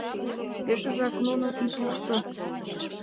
— Пешыжак нуным ит вурсо.